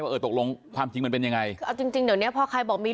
ว่าตกลงความจริงมันเป็นยังไง